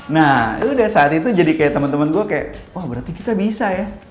nah yaudah saat itu jadi kayak temen temen gue kayak wah berarti kita bisa ya